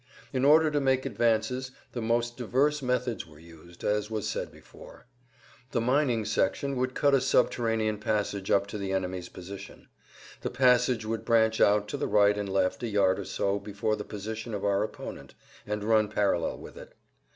In order to make advances the most diverse methods were used, as was said before. The mining section would cut a subterranean passage up to the enemy's position. The passage would branch out to the right and left a yard or so before the position of our opponent, and run parallel with it.